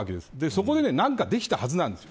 そこで何かできたはずなんです。